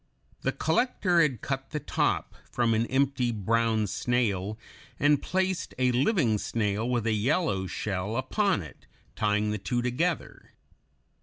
The collector had cut the top from an empty brown snail and placed a living snail with a yellow shell upon it, tying the two together.